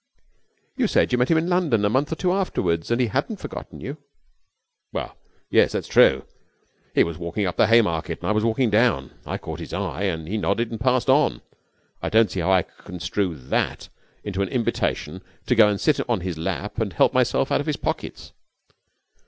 'You said you met him in London a month or two afterwards, and he hadn't forgotten you.' 'Well, yes, that's true. He was walking up the Haymarket and I was walking down. I caught his eye, and he nodded and passed on. I don't see how I could construe that into an invitation to go and sit on his lap and help myself out of his pockets.'